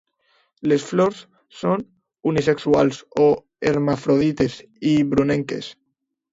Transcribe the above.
Les flors són unisexuals o hermafrodites i brunenques.